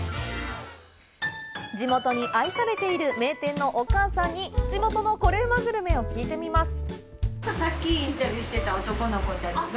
地元に愛されている名店のお母さんに地元のコレうまグルメを聞いてみます。